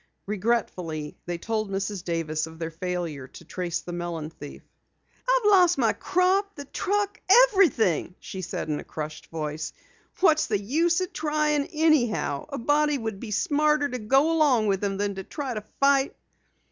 Regretfully, they told Mrs. Davis of their failure to trace the melon thief. "I've lost my crop, the truck everything," she said in a crushed voice. "What's the use trying anyhow? A body would be smarter to go along with 'em than to try to fight."